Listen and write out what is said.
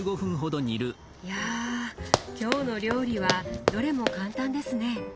いや今日の料理はどれも簡単ですね。